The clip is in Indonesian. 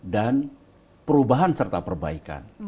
dan perubahan serta perbaikan